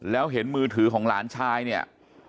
แล้วเห็นมือถือของหลานชายเนี่ย